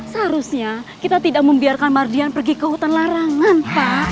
seharusnya kita tidak membiarkan mardian pergi ke hutan larangan pak